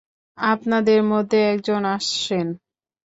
আপনাদের মধ্যে একজন আসেন।